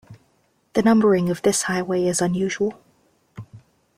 The numbering of this highway is unusual.